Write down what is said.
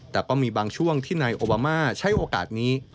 แต่ก็มีบางช่วงที่นายโอบามาใช้โอกาสนี้